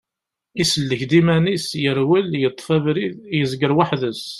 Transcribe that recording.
Isellek-d iman-is, yerwel, yeṭṭef abrid, yezger weḥd-s.